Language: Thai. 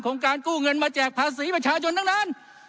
การกู้เงินมาแจกภาษีประชาชนตั้งนาน